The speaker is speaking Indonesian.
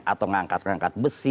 atau mengangkat angkat besi